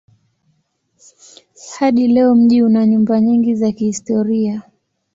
Hadi leo mji una nyumba nyingi za kihistoria.